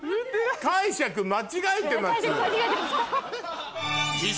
解釈間違えてます。